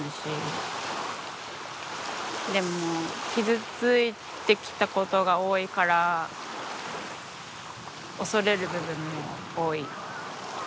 でも傷ついてきたことが多いから恐れる部分も多い。